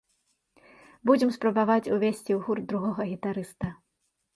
Будзем спрабаваць ўвесці ў гурт другога гітарыста.